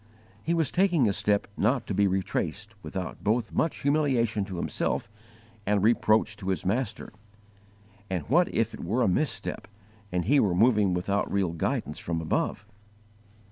He was taking a step not to be retraced without both much humiliation to himself and reproach to his Master: and what if it were a misstep and he were moving without real guidance from above!